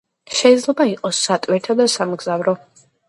შეიძლება იყოს სატვირთო და სამგზავრო.